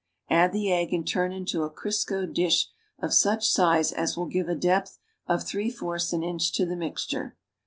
KAA the egg and turn into a Criscoed dish of such size as will give a depth of three fourths an inch to the mixture.